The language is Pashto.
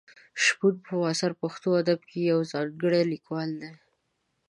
شپون په معاصر پښتو ادب کې یو ځانګړی لیکوال دی.